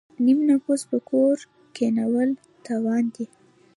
نیم نفوس په کور کینول تاوان دی.